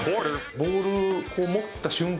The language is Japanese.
ボールを持った瞬間